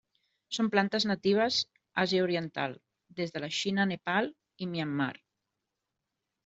Són plantes natives Àsia oriental, des de la Xina a Nepal i Myanmar.